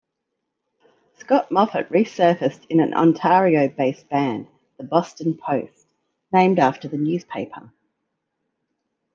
Scott Moffatt resurfaced in an Ontario-based band The Boston Post, named after the newspaper.